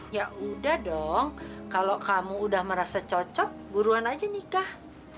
ya udah dong kalau kamu udah merasa cocok buruan aja nikah